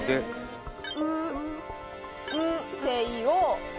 「うんせいを」